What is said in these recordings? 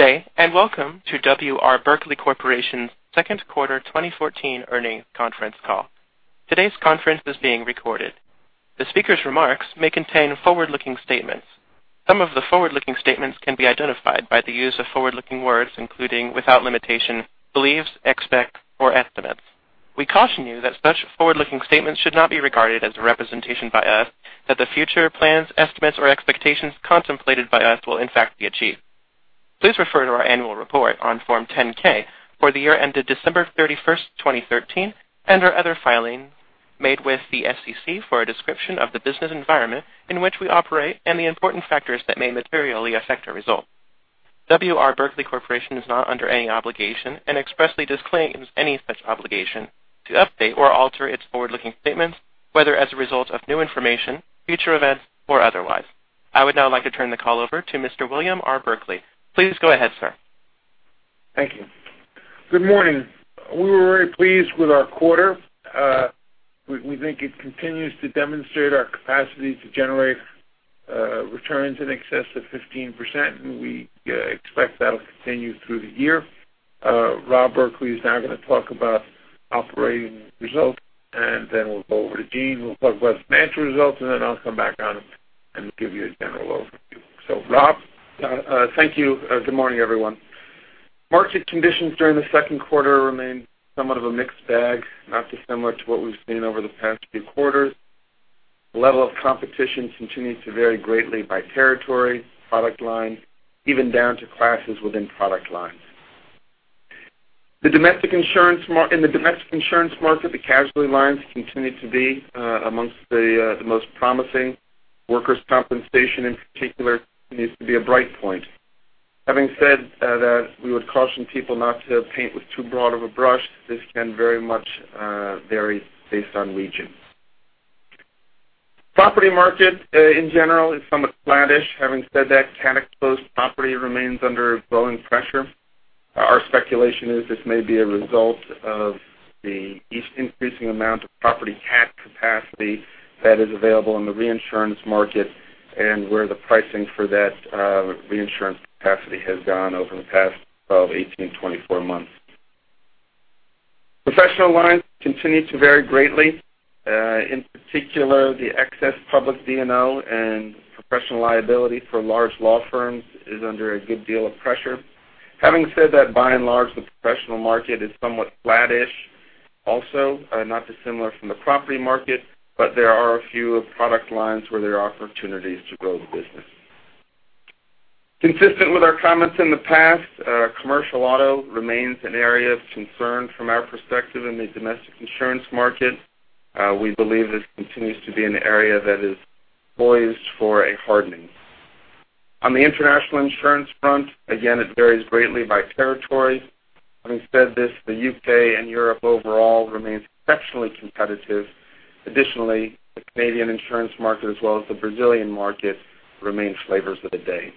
Good day, welcome to W. R. Berkley Corporation's second quarter 2014 earnings conference call. Today's conference is being recorded. The speaker's remarks may contain forward-looking statements. Some of the forward-looking statements can be identified by the use of forward-looking words, including, without limitation, believes, expect, or estimates. We caution you that such forward-looking statements should not be regarded as a representation by us that the future plans, estimates, or expectations contemplated by us will in fact be achieved. Please refer to our annual report on Form 10-K for the year ended December 31st, 2013 and our other filings made with the SEC for a description of the business environment in which we operate and the important factors that may materially affect our results. W. R. Berkley Corporation is not under any obligation expressly disclaims any such obligation to update or alter its forward-looking statements, whether as a result of new information, future events, or otherwise. I would now like to turn the call over to Mr. William R. Berkley. Please go ahead, sir. Thank you. Good morning. We were very pleased with our quarter. We think it continues to demonstrate our capacity to generate returns in excess of 15%, we expect that'll continue through the year. Rob Berkley is now going to talk about operating results, we'll go over to Gene, who will talk about financial results, I'll come back on and give you a general overview. Rob? Thank you. Good morning, everyone. Market conditions during the second quarter remained somewhat of a mixed bag, not dissimilar to what we've seen over the past few quarters. The level of competition continues to vary greatly by territory, product line, even down to classes within product lines. In the domestic insurance market, the casualty lines continue to be amongst the most promising. Workers' compensation in particular continues to be a bright point. Having said that, we would caution people not to paint with too broad of a brush. This can very much vary based on region. Property market, in general, is somewhat flattish. Having said that, CAT-exposed property remains under growing pressure. Our speculation is this may be a result of the increasing amount of property CAT capacity that is available in the reinsurance market and where the pricing for that reinsurance capacity has gone over the past 12, 18, 24 months. Professional lines continue to vary greatly. In particular, the excess public D&O and professional liability for large law firms is under a good deal of pressure. Having said that, by and large, the professional market is somewhat flattish also, not dissimilar from the property market, but there are a few product lines where there are opportunities to grow the business. Consistent with our comments in the past, commercial auto remains an area of concern from our perspective in the domestic insurance market. We believe this continues to be an area that is poised for a hardening. On the international insurance front, again, it varies greatly by territory. Having said this, the U.K. and Europe overall remains exceptionally competitive. Additionally, the Canadian insurance market, as well as the Brazilian market, remains flavors of the day.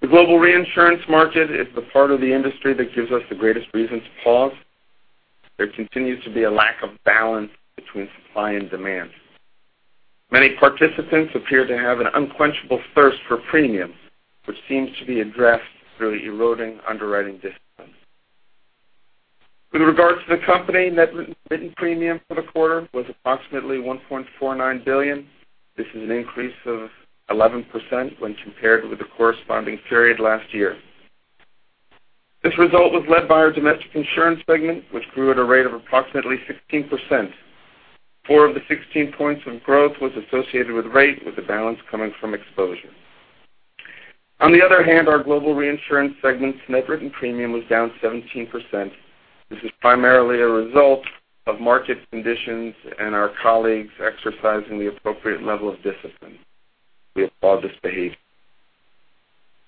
The global reinsurance market is the part of the industry that gives us the greatest reason to pause. There continues to be a lack of balance between supply and demand. Many participants appear to have an unquenchable thirst for premium, which seems to be addressed through eroding underwriting discipline. With regard to the company, net written premium for the quarter was approximately $1.49 billion. This is an increase of 11% when compared with the corresponding period last year. This result was led by our domestic insurance segment, which grew at a rate of approximately 16%. Four of the 16 points of growth was associated with rate, with the balance coming from exposure. Our global reinsurance segment's net written premium was down 17%. This is primarily a result of market conditions and our colleagues exercising the appropriate level of discipline. We applaud this behavior.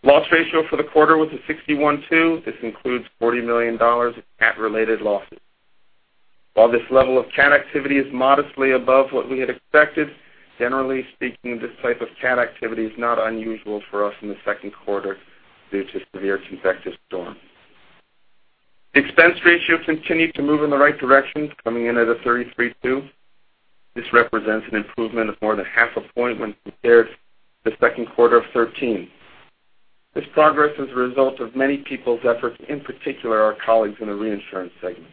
Loss ratio for the quarter was a 61.2%. This includes $40 million of CAT-related losses. While this level of CAT activity is modestly above what we had expected, generally speaking, this type of CAT activity is not unusual for us in the second quarter due to severe convective storms. Expense ratio continued to move in the right direction, coming in at a 33.2%. This represents an improvement of more than half a point when compared to the second quarter of 2013. This progress is a result of many people's efforts, in particular our colleagues in the reinsurance segment.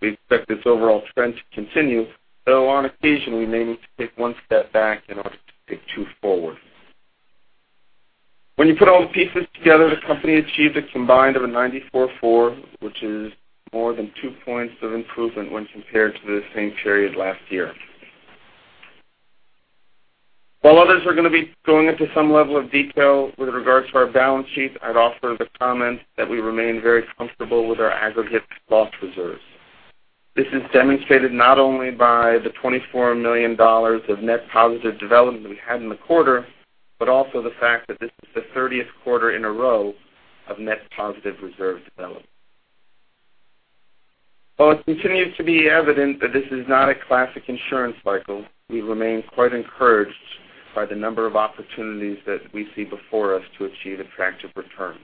We expect this overall trend to continue, though on occasion, we may need to take one step back in order to take two forward. When you put all the pieces together, the company achieved a combined of a 94.4%, which is more than two points of improvement when compared to the same period last year. While others are going to be going into some level of detail with regards to our balance sheet, I'd offer the comment that we remain very comfortable with our aggregate loss reserves. This is demonstrated not only by the $24 million of net positive development we had in the quarter, but also the fact that this is the 30th quarter in a row of net positive reserve development. While it continues to be evident that this is not a classic insurance cycle, we remain quite encouraged by the number of opportunities that we see before us to achieve attractive returns.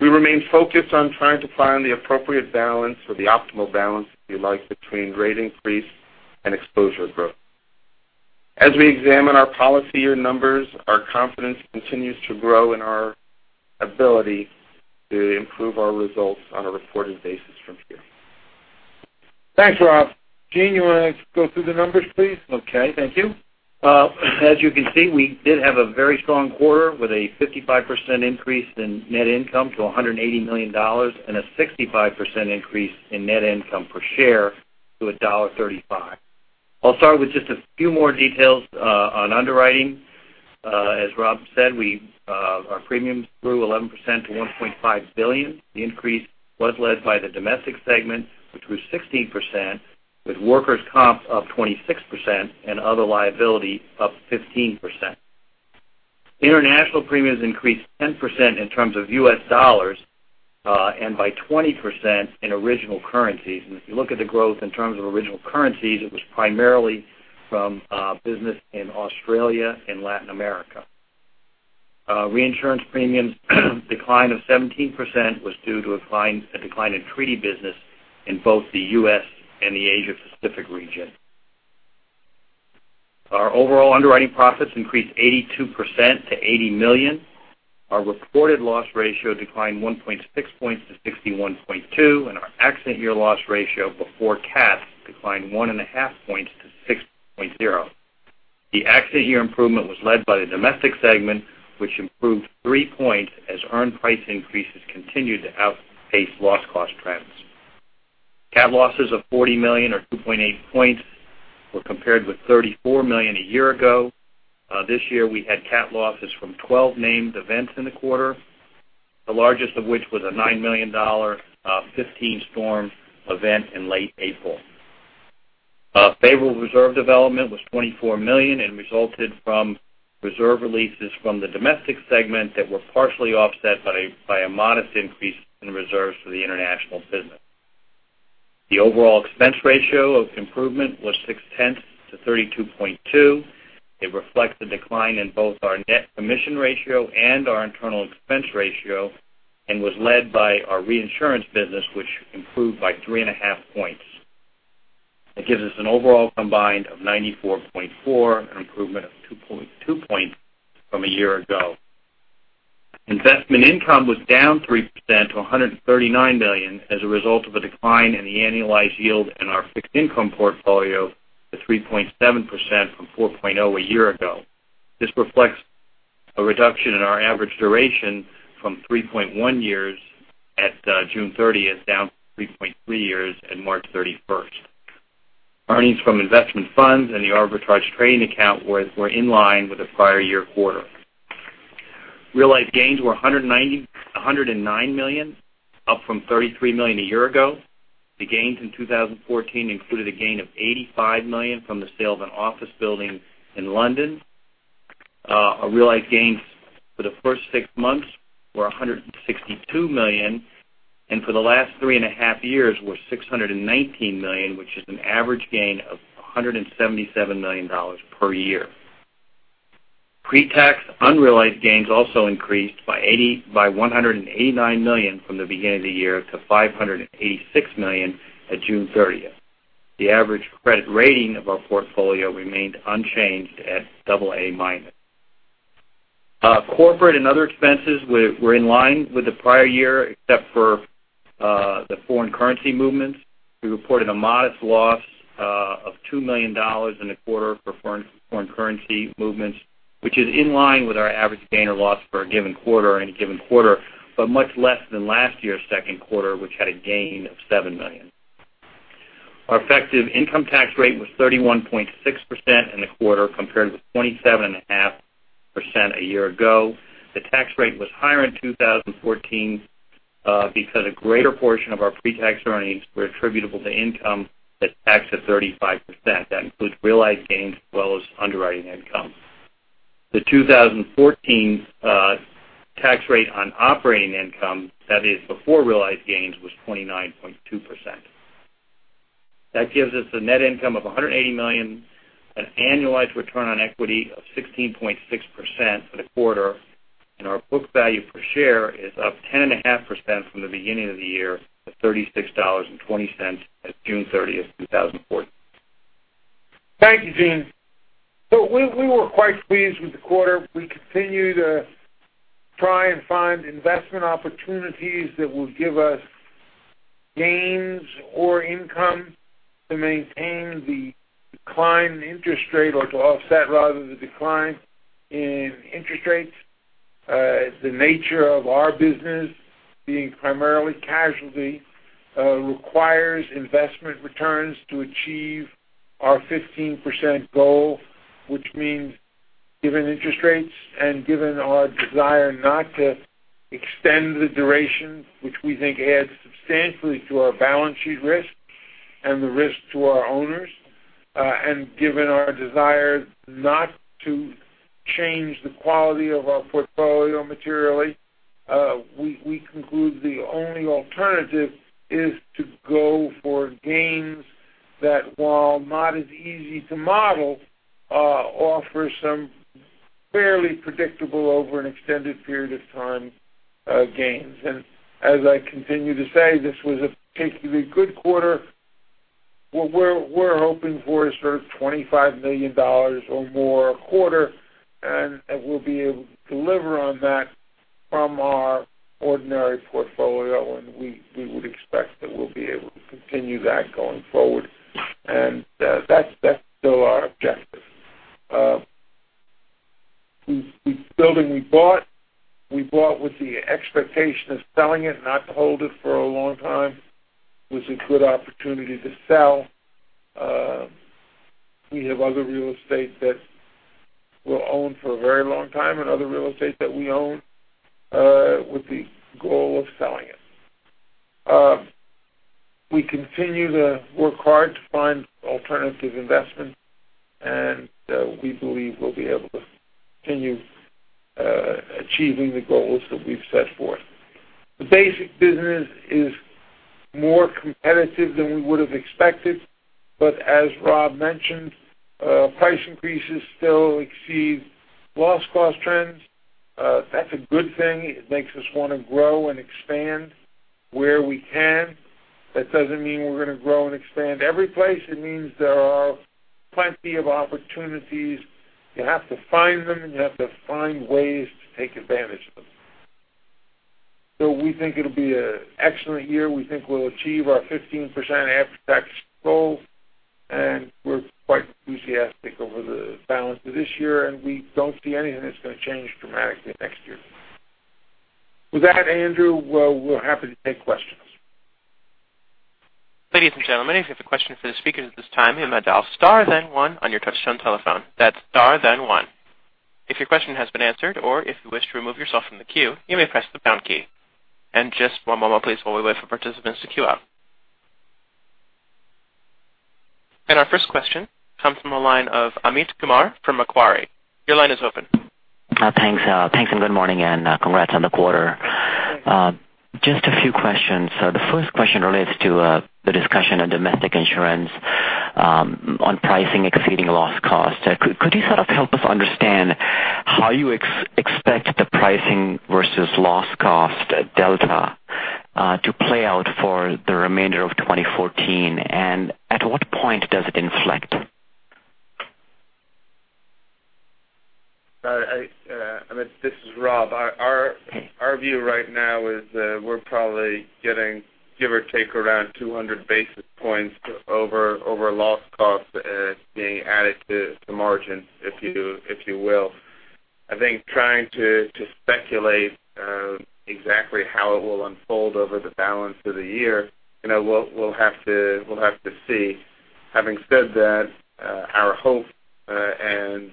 We remain focused on trying to find the appropriate balance, or the optimal balance, if you like, between rate increase and exposure growth. As we examine our policy or numbers, our confidence continues to grow in our ability to improve our results on a reported basis from here. Thanks, Rob. Gene, you want to go through the numbers, please? Okay, thank you. As you can see, we did have a very strong quarter with a 55% increase in net income to $180 million and a 65% increase in net income per share to $1.35. I'll start with just a few more details on underwriting. As Rob said, our premiums grew 11% to $1.5 billion. The increase was led by the domestic segment, which was 16%, with workers' comp up 26% and other liability up 15%. International premiums increased 10% in terms of US dollars, and by 20% in original currencies. If you look at the growth in terms of original currencies, it was primarily from business in Australia and Latin America. Reinsurance premiums decline of 17% was due to a decline in treaty business in both the U.S. and the Asia Pacific region. Our overall underwriting profits increased 82% to $80 million. Our reported loss ratio declined 1.6 points to 61.2. Our accident year loss ratio before CAT declined one and a half points to 6.0. The accident year improvement was led by the domestic segment, which improved three points as earned price increases continued to outpace loss cost trends. CAT losses of $40 million or 2.8 points were compared with $34 million a year ago. This year, we had CAT losses from 12 named events in the quarter, the largest of which was a $9 million, 15-storm event in late April. Favorable reserve development was $24 million and resulted from reserve releases from the domestic segment that were partially offset by a modest increase in reserves for the international business. The overall expense ratio of improvement was 6/10 to 32.2. It reflects the decline in both our net commission ratio and our internal expense ratio and was led by our reinsurance business, which improved by three and a half points. It gives us an overall combined of 94.4, an improvement of 2.2 points from a year ago. Investment income was down 3% to $139 million as a result of a decline in the annualized yield in our fixed income portfolio to 3.7% from 4.0% a year ago. This reflects a reduction in our average duration from 3.1 years at June 30th, down to 3.3 years at March 31st. Earnings from investment funds and the arbitrage trading account were in line with the prior year quarter. Realized gains were $109 million, up from $33 million a year ago. The gains in 2014 included a gain of $85 million from the sale of an office building in London. Our realized gains for the first six months were $162 million, and for the last three and a half years were $619 million, which is an average gain of $177 million per year. Pre-tax unrealized gains also increased by $189 million from the beginning of the year to $586 million at June 30th. The average credit rating of our portfolio remained unchanged at double A minus. Corporate and other expenses were in line with the prior year, except for the foreign currency movements. We reported a modest loss of $2 million in the quarter for foreign currency movements, which is in line with our average gain or loss for a given quarter in a given quarter, but much less than last year's second quarter, which had a gain of $7 million. Our effective income tax rate was 31.6% in the quarter, compared with 27.5% a year ago. The tax rate was higher in 2014 because a greater portion of our pre-tax earnings were attributable to income that's taxed at 35%. That includes realized gains as well as underwriting income. The 2014 tax rate on operating income, that is before realized gains, was 29.2%. That gives us a net income of $180 million, an annualized return on equity of 16.6% for the quarter, and our book value per share is up 10.5% from the beginning of the year to $36.20 at June 30th, 2014. Thank you, Gene. We were quite pleased with the quarter. We continue to try and find investment opportunities that will give us gains or income to maintain the decline in interest rate or to offset rather the decline in interest rates. The nature of our business being primarily casualty requires investment returns to achieve our 15% goal, which means given interest rates and given our desire not to extend the duration, which we think adds substantially to our balance sheet risk and the risk to our owners, and given our desire not to change the quality of our portfolio materially, we conclude the only alternative is to go for gains that, while not as easy to model, offer some fairly predictable over an extended period of time, gains. As I continue to say, this was a particularly good quarter. What we're hoping for is sort of $25 million or more a quarter, and we'll be able to deliver on that from our ordinary portfolio, and we would expect that we'll be able to continue that going forward. That's still our objective. The building we bought, we bought with the expectation of selling it, not to hold it for a long time. It was a good opportunity to sell. We have other real estate that we'll own for a very long time and other real estate that we own with the goal of selling it. We continue to work hard to find alternative investment, and we believe we'll be able to continue achieving the goals that we've set forth. The basic business is more competitive than we would have expected. As Rob mentioned, price increases still exceed loss cost trends. That's a good thing. It makes us want to grow and expand where we can. That doesn't mean we're going to grow and expand every place. It means there are plenty of opportunities. You have to find them, and you have to find ways to take advantage of them. We think it'll be an excellent year. We think we'll achieve our 15% after-tax goal, and we're quite enthusiastic over the balance of this year, and we don't see anything that's going to change dramatically next year. With that, Andrew, we're happy to take questions. Ladies and gentlemen, if you have a question for the speakers at this time, you may dial star then one on your touch-tone telephone. That's star then one. If your question has been answered or if you wish to remove yourself from the queue, you may press the pound key. Just one moment please while we wait for participants to queue up. Our first question comes from the line of Amit Kumar from Macquarie. Your line is open. Thanks, and good morning, and congrats on the quarter. Thanks. Just a few questions. The first question relates to the discussion on domestic insurance, on pricing exceeding loss cost. Could you sort of help us understand how you expect the pricing versus loss cost delta to play out for the remainder of 2014? At what point does it inflect? Amit, this is Rob. Our view right now is we're probably getting, give or take, around 200 basis points over loss cost being added to margin, if you will. I think trying to speculate exactly how it will unfold over the balance of the year, we'll have to see. Having said that, our hope and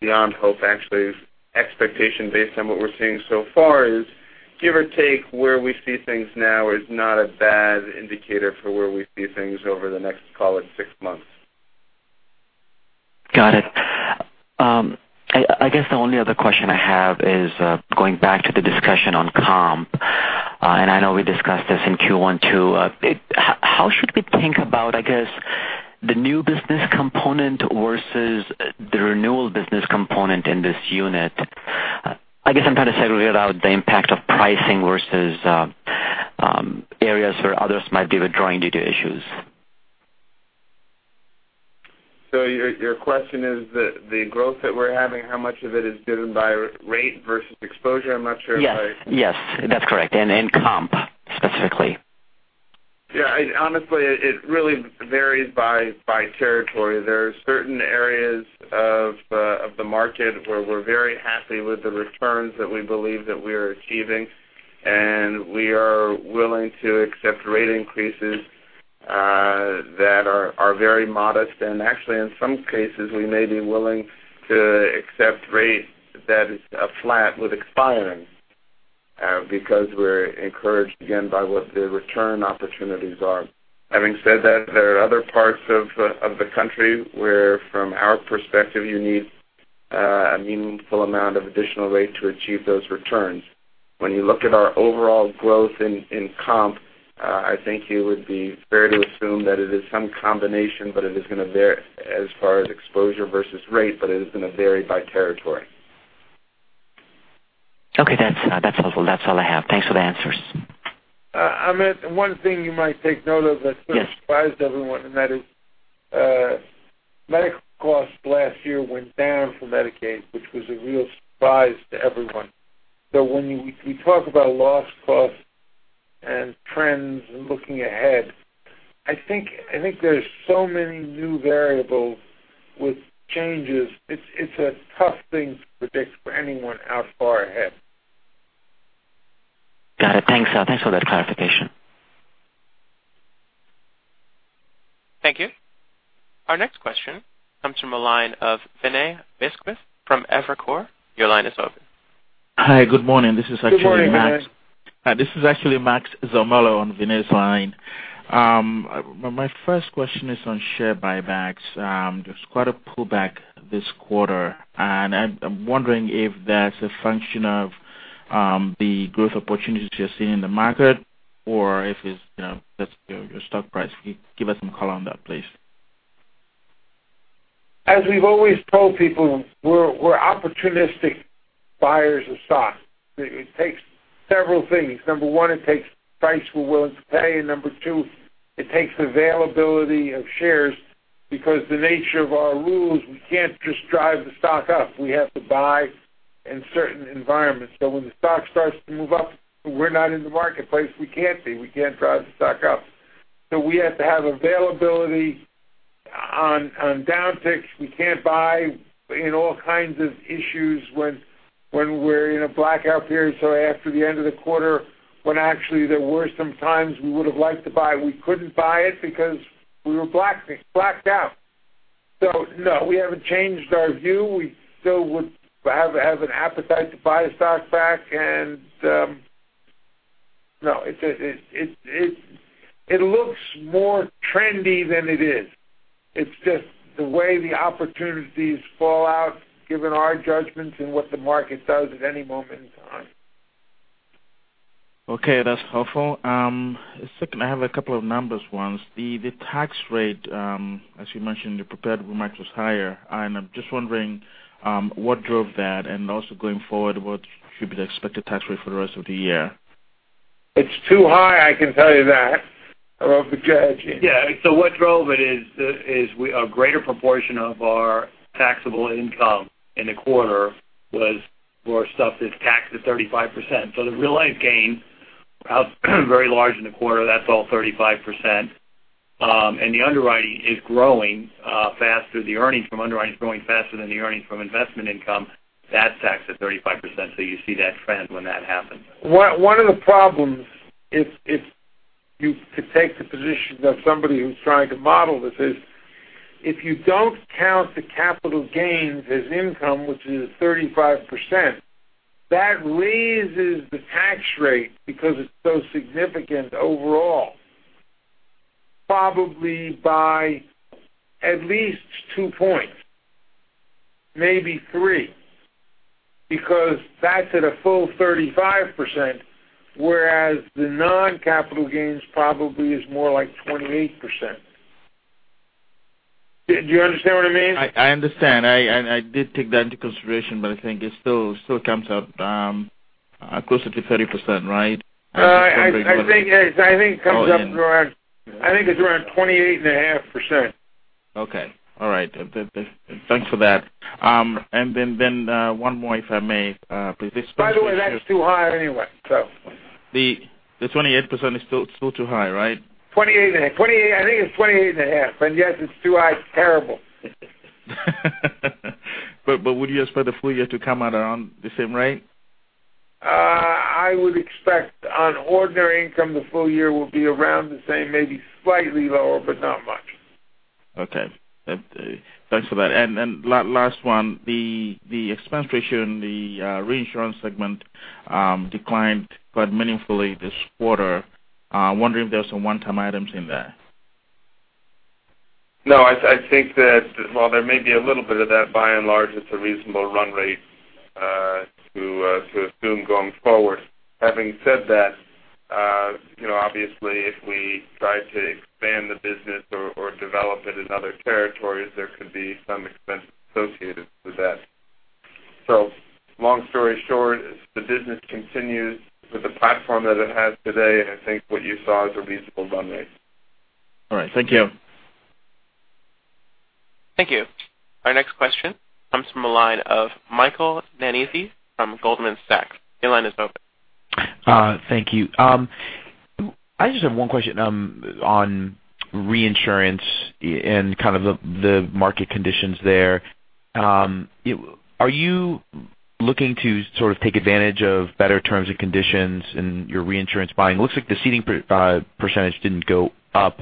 beyond hope, actually, expectation based on what we're seeing so far is give or take where we see things now is not a bad indicator for where we see things over the next, call it, six months. Got it. I guess the only other question I have is going back to the discussion on comp. I know we discussed this in Q1 too. How should we think about, I guess, the new business component versus the renewal business component in this unit? I guess I'm trying to segregate out the impact of pricing versus areas where others might be withdrawing due to issues. Your question is the growth that we're having, how much of it is driven by rate versus exposure? Yes. That's correct. In comp specifically. Yeah. Honestly, it really varies by territory. There are certain areas of the market where we're very happy with the returns that we believe that we are achieving, we are willing to accept rate increases that are very modest. Actually, in some cases, we may be willing to accept rate that is a flat with expiring, because we're encouraged again by what the return opportunities are. Having said that, there are other parts of the country where, from our perspective, you need a meaningful amount of additional rate to achieve those returns. When you look at our overall growth in comp, I think it would be fair to assume that it is some combination, as far as exposure versus rate, but it is going to vary by territory. Okay. That's all I have. Thanks for the answers. Amit, one thing you might take note of that sort of surprised everyone, that is medical costs last year went down for Medicaid, which was a real surprise to everyone. When we talk about loss costs and trends and looking ahead, I think there's so many new variables with changes. It's a tough thing to predict for anyone how far ahead. Got it. Thanks for that clarification. Thank you. Our next question comes from the line of Vinay Viswanath from Evercore. Your line is open. Hi, good morning. This is actually Max. Good morning, Vinay. This is actually Max Zumallo on Vinay's line. My first question is on share buybacks. There's quite a pullback this quarter, and I'm wondering if that's a function of the growth opportunities you're seeing in the market or if it's your stock price. Give us some color on that, please. As we've always told people, we're opportunistic buyers of stock. It takes several things. Number one, it takes price we're willing to pay, and number two, it takes availability of shares because the nature of our rules, we can't just drive the stock up. We have to buy in certain environments. When the stock starts to move up, we're not in the marketplace. We can't be. We can't drive the stock up. We have to have availability on downticks. We can't buy in all kinds of issues when we're in a blackout period, so after the end of the quarter, when actually there were some times we would have liked to buy, we couldn't buy it because we were blacked out. No, we haven't changed our view. We still would have an appetite to buy stock back. No, it looks more trendy than it is. It's just the way the opportunities fall out, given our judgments and what the market does at any moment in time. Okay, that's helpful. Second, I have a couple of number ones. The tax rate, as you mentioned, you prepared very much was higher. I'm just wondering, what drove that, and also going forward, what should be the expected tax rate for the rest of the year? It's too high, I can tell you that. I don't know if you can add, Gene. What drove it is a greater proportion of our taxable income in the quarter was more stuff that's taxed at 35%. The realized gains, very large in the quarter, that's all 35%. The underwriting is growing faster, the earnings from underwriting is growing faster than the earnings from investment income. That's taxed at 35%, you see that trend when that happens. One of the problems, if you could take the position of somebody who's trying to model this is, if you don't count the capital gains as income, which is 35%, that raises the tax rate because it's so significant overall, probably by at least two points, maybe three, because that's at a full 35%, whereas the non-capital gains probably is more like 28%. Do you understand what I mean? I understand. I did take that into consideration, I think it still comes up closer to 30%, right? I think it comes up to around 28.5%. Okay. All right. Thanks for that. One more if I may, please. By the way, that's too high anyway. The 28% is still too high, right? I think it's 28.5%. Yes, it's too high. It's terrible. Would you expect the full year to come out around the same rate? I would expect on ordinary income, the full year will be around the same, maybe slightly lower, but not much. Okay. Thanks for that. Last one, the expense ratio in the reinsurance segment declined quite meaningfully this quarter. Wondering if there's some one-time items in there. No, I think that while there may be a little bit of that, by and large, it's a reasonable run rate to assume going forward. Having said that, obviously, if we try to expand the business or develop it in other territories, there could be some expense associated with that. Long story short, if the business continues with the platform that it has today, I think what you saw is a reasonable run rate. All right. Thank you. Thank you. Our next question comes from the line of Michael Zaremski from Goldman Sachs. Your line is open. Thank you. I just have one question on reinsurance and kind of the market conditions there. Are you looking to sort of take advantage of better terms and conditions in your reinsurance buying? Looks like the ceding percentage didn't go up.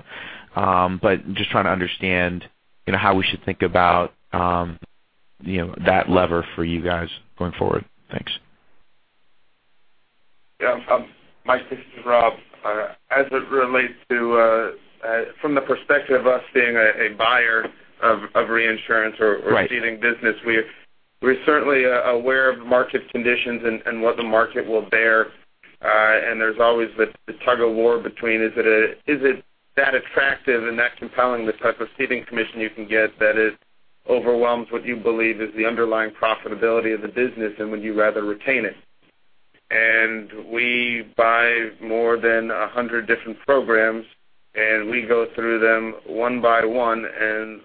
Just trying to understand how we should think about that lever for you guys going forward. Thanks. Yeah, Michael, this is Rob. As it relates to from the perspective of us being a buyer of reinsurance. Right Ceding business, we're certainly aware of market conditions and what the market will bear. There's always the tug of war between, is it that attractive and that compelling, the type of ceding commission you can get that it overwhelms what you believe is the underlying profitability of the business, and would you rather retain it? We buy more than 100 different programs, and we go through them one by one and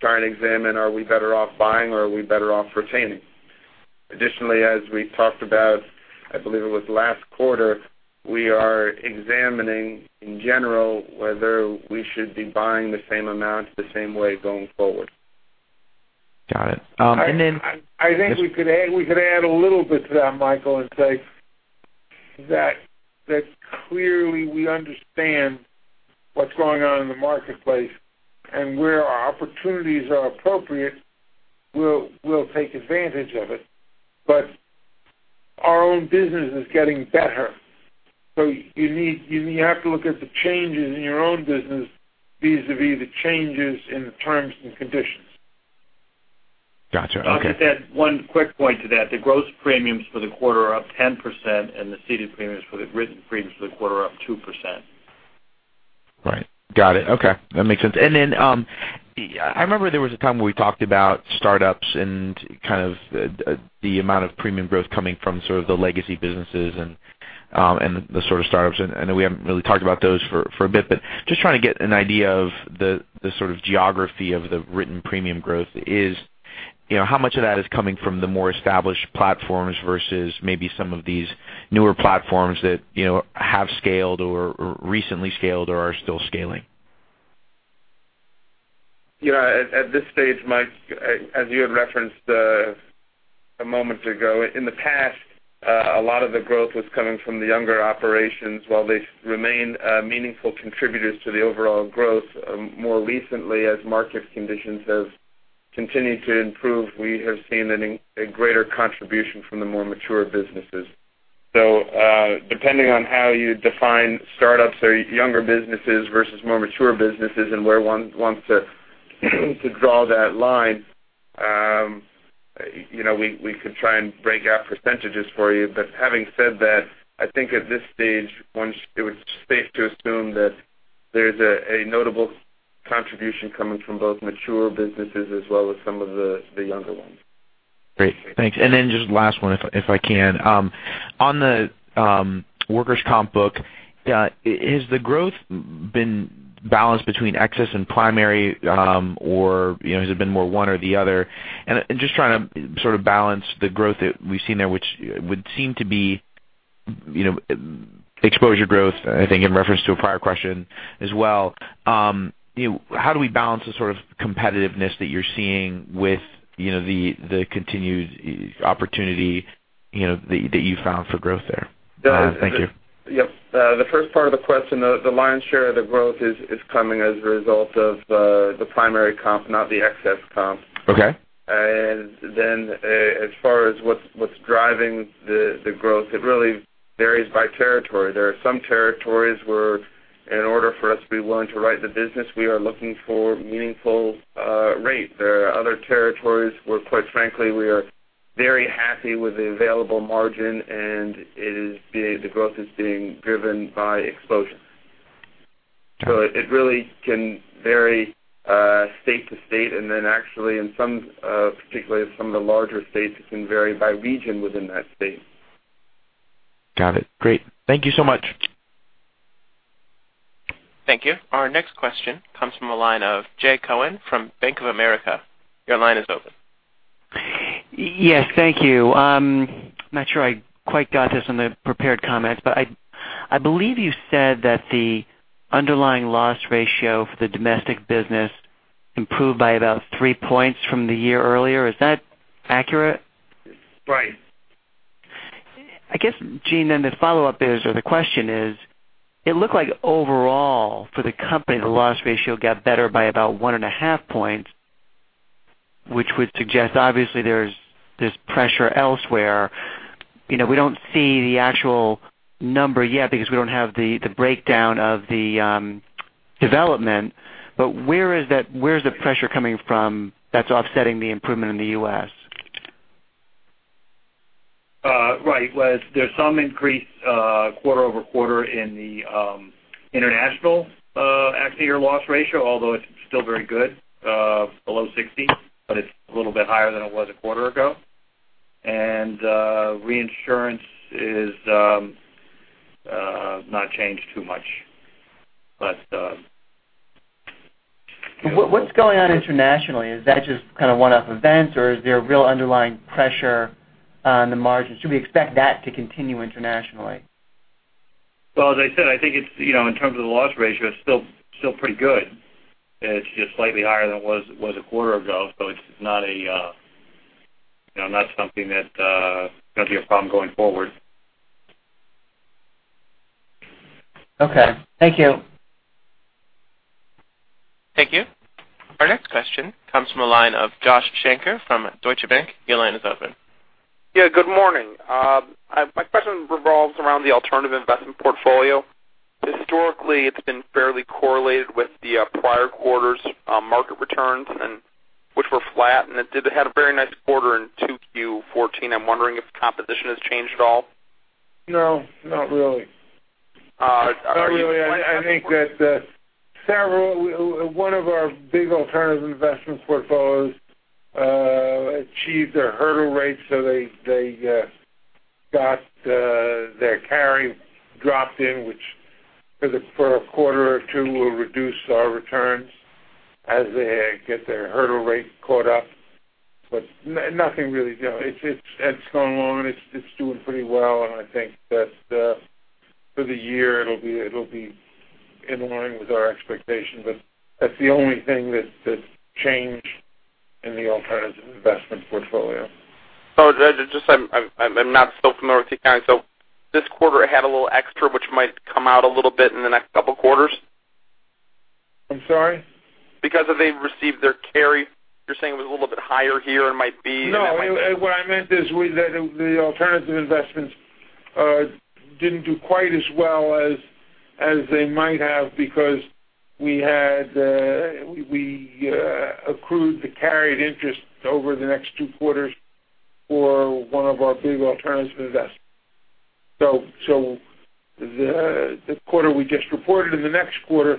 try and examine, are we better off buying or are we better off retaining. Additionally, as we talked about, I believe it was last quarter, we are examining in general whether we should be buying the same amount the same way going forward. Got it. Then. I think we could add a little bit to that, Michael, and say that clearly we understand what's going on in the marketplace and where our opportunities are appropriate, we'll take advantage of it. Our own business is getting better. You have to look at the changes in your own business vis-a-vis the changes in the terms and conditions. Gotcha. Okay. I'll just add one quick point to that. The gross premiums for the quarter are up 10%, and the ceded premiums for the written premiums for the quarter are up 2%. Right. Got it. Okay. That makes sense. I remember there was a time where we talked about startups and the amount of premium growth coming from sort of the legacy businesses and the sort of startups, and I know we haven't really talked about those for a bit, but just trying to get an idea of the sort of geography of the written premium growth is, how much of that is coming from the more established platforms versus maybe some of these newer platforms that have scaled or recently scaled or are still scaling? Yeah. At this stage, Mike, as you had referenced a moment ago, in the past, a lot of the growth was coming from the younger operations while they remain meaningful contributors to the overall growth. More recently, as market conditions have continued to improve, we have seen a greater contribution from the more mature businesses. Depending on how you define startups or younger businesses versus more mature businesses and where one wants to draw that line, we could try and break out percentages for you. Having said that, I think at this stage, it would be safe to assume that there's a notable contribution coming from both mature businesses as well as some of the younger ones. Great. Thanks. Just last one, if I can. On the workers' comp book, has the growth been balanced between excess and primary? Or has it been more one or the other? Just trying to sort of balance the growth that we've seen there, which would seem to be exposure growth, I think, in reference to a prior question as well. How do we balance the sort of competitiveness that you're seeing with the continued opportunity that you found for growth there? Thank you. Yep. The first part of the question, the lion's share of the growth is coming as a result of the primary comp, not the excess comp. Okay. As far as what's driving the growth, it really varies by territory. There are some territories where in order for us to be willing to write the business, we are looking for meaningful rate. There are other territories where, quite frankly, we are very happy with the available margin, and the growth is being driven by exposure. It really can vary state to state, actually in some, particularly some of the larger states, it can vary by region within that state. Got it. Great. Thank you so much. Thank you. Our next question comes from the line of Jay Cohen from Bank of America. Your line is open. Yes. Thank you. I'm not sure I quite got this in the prepared comments, but I believe you said that the underlying loss ratio for the domestic business improved by about three points from the year earlier. Is that accurate? Right. I guess, Gene, then the follow-up is, or the question is, it looked like overall for the company, the loss ratio got better by about one and a half points, which would suggest obviously there's this pressure elsewhere. We don't see the actual number yet because we don't have the breakdown of the development. Where's the pressure coming from that's offsetting the improvement in the U.S.? Right. Well, there's some increase quarter-over-quarter in the international accident year loss ratio, although it's still very good, below 60, but it's a little bit higher than it was a quarter ago. Reinsurance is not changed too much. What's going on internationally? Is that just kind of one-off events, or is there a real underlying pressure on the margins? Should we expect that to continue internationally? Well, as I said, I think in terms of the loss ratio, it's still pretty good. It's just slightly higher than it was a quarter ago. It's not something that's going to be a problem going forward. Okay. Thank you. Thank you. Our next question comes from the line of Josh Shanker from Deutsche Bank. Your line is open. Yeah, good morning. My question revolves around the alternative investment portfolio. Historically, it's been fairly correlated with the prior quarter's market returns, which were flat, and it had a very nice quarter in 2Q14. I'm wondering if the composition has changed at all. No, not really. Not really. I think that one of our big alternative investment portfolios achieved their hurdle rates, so they got their carry dropped in, which for a quarter or two will reduce our returns as they get their hurdle rate caught up. Nothing really. It's going along. It's doing pretty well, and I think that for the year, it'll be in line with our expectations. That's the only thing that's changed in the alternative investment portfolio. Just I'm not so familiar with the accounting. This quarter, it had a little extra, which might come out a little bit in the next couple of quarters? I'm sorry? Because they received their carry, you're saying it was a little bit higher here and might be. No, what I meant is that the alternative investments didn't do quite as well as they might have because we accrued the carried interest over the next two quarters for one of our big alternative investments. The quarter we just reported and the next quarter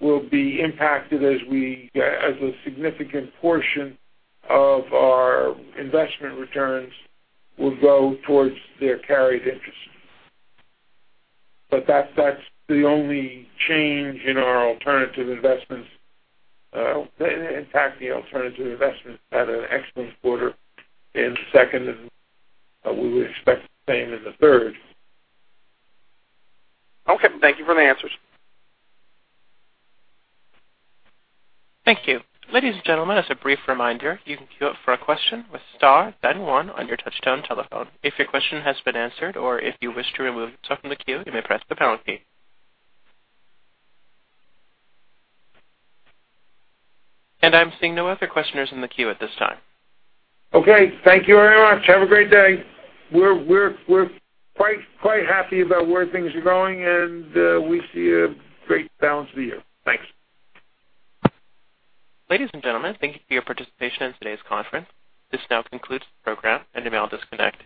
will be impacted as a significant portion of our investment returns will go towards their carried interest. That's the only change in our alternative investments. In fact, the alternative investments had an excellent quarter in the second, and we would expect the same in the third. Okay. Thank you for the answers. Thank you. Ladies and gentlemen, as a brief reminder, you can queue up for a question with star then one on your touchtone telephone. If your question has been answered or if you wish to remove yourself from the queue, you may press the pound key. I'm seeing no other questioners in the queue at this time. Okay. Thank you very much. Have a great day. We're quite happy about where things are going, and we see a great balance of the year. Thanks. Ladies and gentlemen, thank you for your participation in today's conference. This now concludes the program, and you may all disconnect.